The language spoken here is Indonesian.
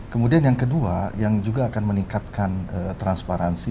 kemudian yang kedua yang juga akan meningkatkan transparansi